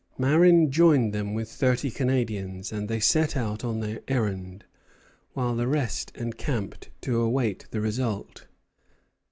Marin joined them with thirty Canadians, and they set out on their errand; while the rest encamped to await the result.